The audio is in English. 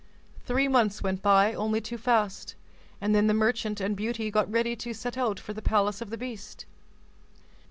Three months went by, only too fast, and then the merchant and Beauty got ready to set out for the palace of the beast.